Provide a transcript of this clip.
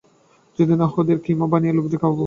যদি না হয়, ওদের কিমা বানিয়ে, লোকদের খাওয়াবো।